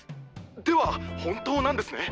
では本当なんですね？